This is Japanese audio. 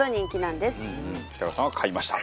北川さんは買いました。